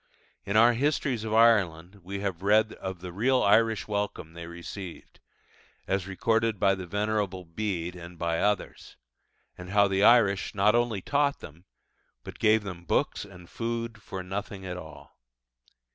In our Histories of Ireland we have read of the real Irish welcome they received as recorded by the Venerable Bede and by others and how the Irish, not only taught them, but gave them books and food for nothing at all!